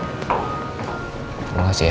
terima kasih ya